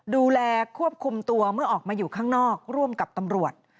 ดูแลควบคุมตัวเมื่อออกมาอยู่ข้างนอกร่วมกับตำรวจ